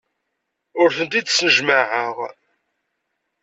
Ur tent-id-snejmaɛeɣ.